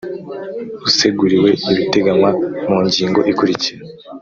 aseguriwe ibiteganywa mungingo ikurikira